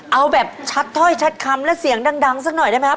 เอาแบบชัดถ้อยชัดคำและเสียงดังสักหน่อยได้ไหมครับ